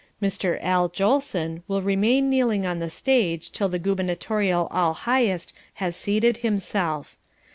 Mr. Al Jolson will remain kneeling on the stage till the Gubernatorial All Highest has seated itself.